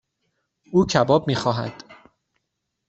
او کباب میخواهد.